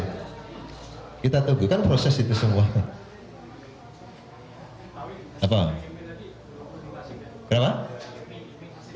ini masih proses ini pak masih proses